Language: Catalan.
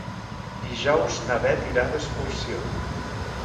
Dijous na Beth irà d'excursió.